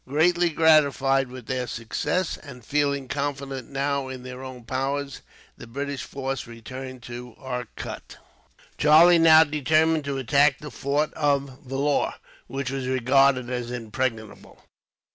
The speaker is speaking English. Greatly gratified with their success; and feeling confident, now, in their own powers, the British force returned to Arcot. Charlie now determined to attack the fort of Vellore, which was regarded as impregnable.